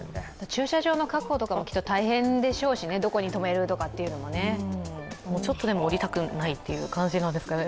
駐車場の確保とかも大変でしょうしね、どこに止めるというのとかもね。ちょっとでも降りたくないという感じなんですかね。